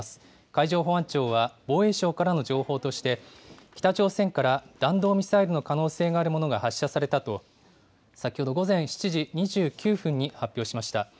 海上保安庁は、防衛省からの情報として、北朝鮮から弾道ミサイルの可能性のあるものが発射されたと、先ほど午前７時２９分に発表しました。